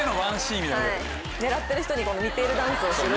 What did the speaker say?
狙ってる人に見ているダンスをする。